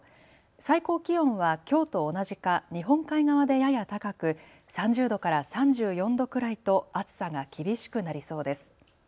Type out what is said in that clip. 最高気温はきょうと同じか日本海側でやや高く３０度から３４度くらいと暑さが厳しくなりそうです。